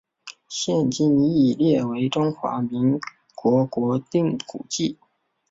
现今亦列为中华民国国定古迹。